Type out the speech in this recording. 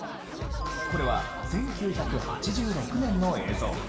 これは１９８６年の映像。